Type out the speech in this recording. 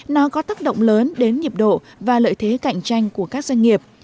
nó có tác động lớn đến nhịp độ và lợi thế cạnh tranh của các doanh nghiệp